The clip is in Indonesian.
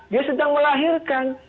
dia sedang melahirkan